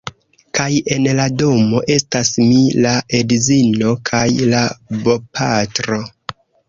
Kaj en la domo estas mi, la edzino kaj la bopatro.